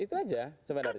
itu aja sebenarnya